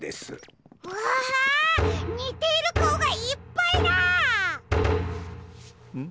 うわにているかおがいっぱいだ！ん？